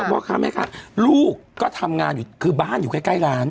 พ่อค้าแม่ค้าลูกก็ทำงานอยู่คือบ้านอยู่ใกล้ร้าน